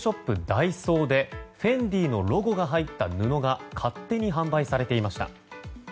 ダイソーでＦＥＮＤＩのロゴが入った布が勝手に販売されていました。